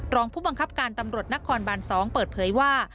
รองผู้บังคับการตำรวจนครบาน๒เปิดเผยว่า